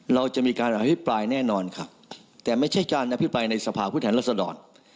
เราจะมีการอภิปรายแน่นอนครับแต่ไม่ใช่การอภิปรายในสภาพผู้แทนรัศดร